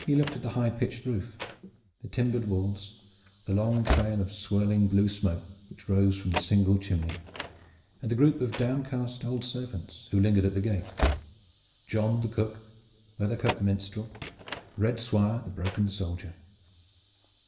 He looked at the high pitched roof, the timbered walls, the long trail of swirling blue smoke which rose from the single chimney, and the group of downcast old servants who lingered at the gate, John the cook, Weathercote the minstrel, and Red Swire the broken soldier.